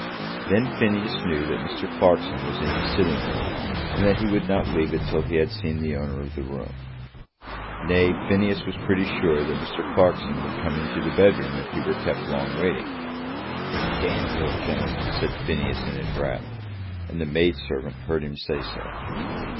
Then Phineas knew that Mr. Clarkson was in his sitting room, and that he would not leave it till he had seen the owner of the room. Nay, Phineas was pretty sure that Mr. Clarkson would come into the bedroom, if he were kept long waiting. "Damn the old gentleman," said Phineas in his wrath; and the maid servant heard him say so.